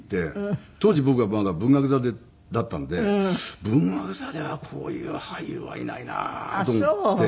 当時僕はまだ文学座だったんで文学座にはこういう俳優はいないなと思って。